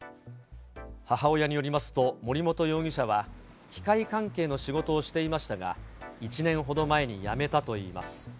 母親によりますと、森本容疑者は機械関係の仕事をしていましたが、１年ほど前に辞めたといいます。